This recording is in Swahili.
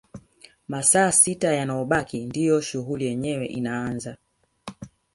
Masaa sita yanayobaki ndio shughuli yenyewe inaaza